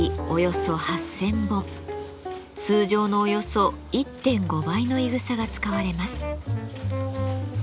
通常のおよそ１．５倍のいぐさが使われます。